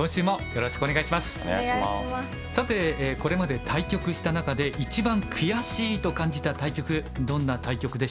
さてこれまで対局した中で一番悔しいと感じた対局どんな対局でしょうか安田さん。